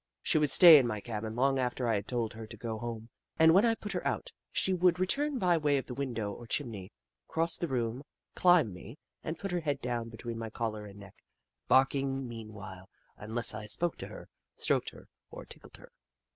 She would stay in my cabin long after I had told her to go home, and when I put her out, she would return by way of the window or chimney, cross the room, climb me, and put her head down between my collar and neck, barking mean while unless I spoke to her, stroked her, or tickled her.